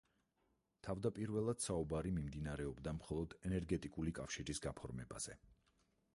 თავდაპირველად საუბარი მიმდინარეობდა მხოლოდ ენერგეტიკული კავშირის გაფორმებაზე.